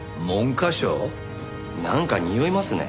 なんかにおいますね。